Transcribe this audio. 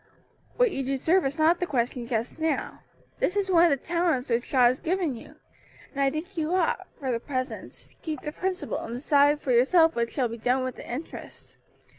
"What you deserve is not the question just now. This is one of the talents which God has given you, and I think you ought, at least for the present, to keep the principal and decide for yourself what shall be done with the interest.